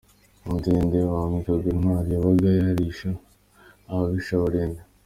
Umudende : Wambikwaga intwari yabaga yarisha ababisha barindwi.